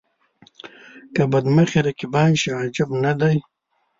که بد مخي رقیبان شي عجب نه دی.